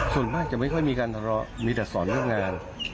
ส่วนมากจะไม่ค่อยมีการทะเลาะมีแต่สอนเรื่องงาน